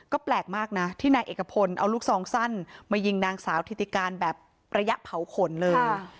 ก็แปลกมากนะที่นายเอกพลเอาลูกซองสั้นมายิงนางสาวธิติการแบบระยะเผาขนเลย